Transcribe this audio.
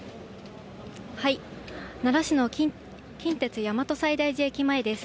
奈良市の近鉄大和西大寺駅前です。